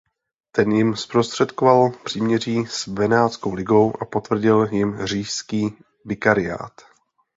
Ten jim zprostředkoval příměří s Benátskou ligou a potvrdil jim říšský vikariát.